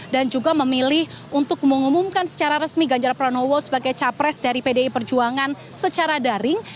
dan juga memilih untuk mengumumkan secara resmi ganjarra pranowo sebagai capres dari pdi perjuangan secara daring